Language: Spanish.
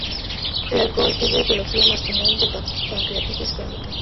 El alcohol es la etiología más común de pancreatitis crónica.